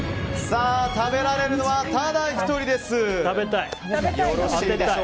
食べられるのはただ１人です。